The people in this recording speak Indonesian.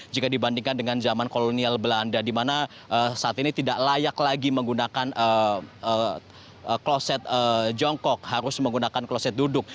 jika dibandingkan dengan zaman kolonial belanda di mana saat ini tidak layak lagi menggunakan kloset jongkok harus menggunakan kloset duduk